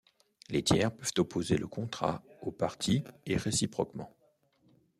Les tiers peuvent opposer le contrat aux parties et réciproquement.